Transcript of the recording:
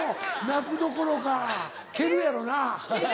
泣くどころか蹴るやろな。